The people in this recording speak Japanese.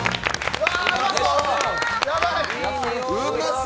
うわ。